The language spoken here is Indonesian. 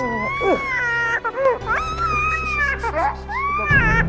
apa lu bukit wil